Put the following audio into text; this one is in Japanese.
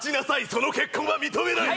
「その結婚は認めない！」